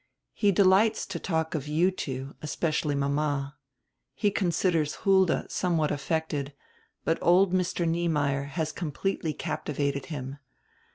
He delights to talk of you two, especially mama. He considers Hulda somewhat affected, but old Mr. Niemeyer has completely captivated him.